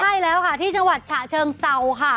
ใช่แล้วค่ะที่จังหวัดฉะเชิงเซาค่ะ